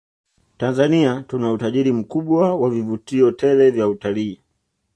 Tanzania tuna utajiri mkubwa wa vivutio tele vya utalii